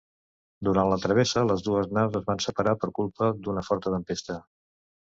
Durant la travessa les dues naus es van separar per culpa d'una forta tempesta.